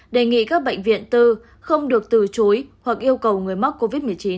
đề nghị các bệnh viện tư không được từ chối hoặc yêu cầu người mắc covid một mươi chín